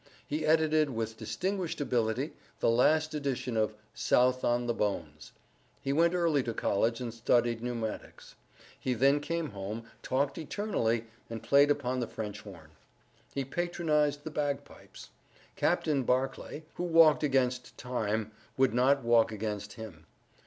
He edited with distinguished ability the last edition of "South on the Bones." He went early to college and studied pneumatics. He then came home, talked eternally, and played upon the French horn. He patronized the bagpipes. Captain Barclay, who walked against Time, would not walk against him.